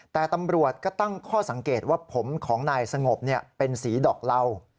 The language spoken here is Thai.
แต่ตำรวจก็ตั้งข้อสังเกตว่าผมของนายสงบเป็นสีดอกเหล้า